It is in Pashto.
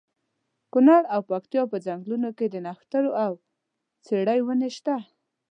کونړ او پکتیا په ځنګلونو کې د نښترو او څېړۍ ونې شته.